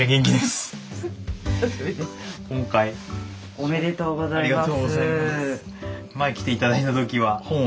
ありがとうございます。